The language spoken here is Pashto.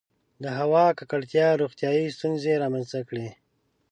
• د هوا ککړتیا روغتیایي ستونزې رامنځته کړې.